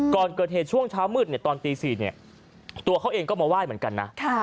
ก่อนเกิดเหตุช่วงเช้ามืดตอนตี๔ตัวเขาเองก็มาไหว้เหมือนกันนะ